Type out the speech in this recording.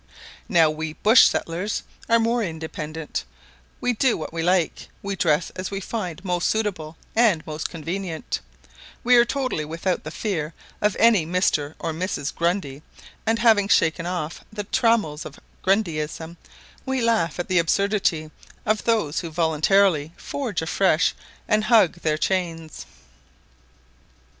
Now, we bush settlers are more independent: we do what we like; we dress as we find most suitable and most convenient; we are totally without the fear of any Mr. or Mrs. Grundy; and having shaken off the trammels of Grundyism, we laugh at the absurdity of those who voluntarily forge afresh and hug their chains.